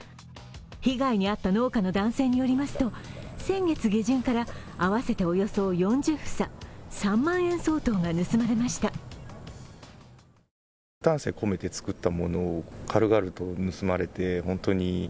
被害に遭った農家の男性によりますと先月下旬から合わせておよそ４０房、３万円相当が盗まれました。